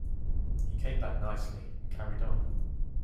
He came back nicely and carried on.